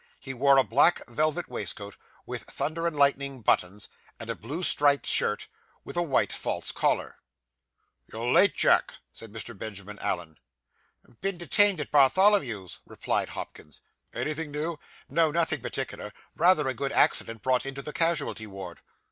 He wore a black velvet waistcoat, with thunder and lightning buttons; and a blue striped shirt, with a white false collar. 'You're late, Jack?' said Mr. Benjamin Allen. 'Been detained at Bartholomew's,' replied Hopkins. 'Anything new?' 'No, nothing particular. Rather a good accident brought into the casualty ward.